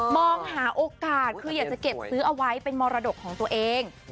มองหาโอกาสคืออยากจะเก็บซื้อเอาไว้เป็นมรดกของตัวเอง